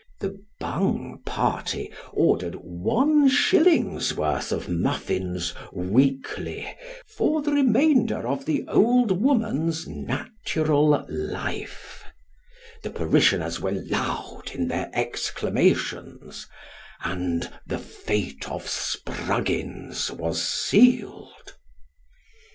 The Bung party ordered one shilling's worth of muffins weekly for the remainder of the old woman's natural life ; the parishioners were loud in their exclamations ; and the fate of Spruggins was sealed.